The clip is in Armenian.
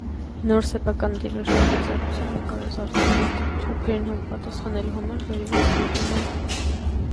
Նոր սեփականատիրոջ նախաձեռնությամբ նկարազարդումները տան չափերին համապատասխանելու համար վերևից կտրվել են։